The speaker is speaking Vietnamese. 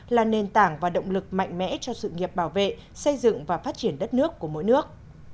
là nền tảng và động lực mạnh mẽ cho sự nghiệp bảo vệ xây dựng và phát triển đất nước của mỗi nước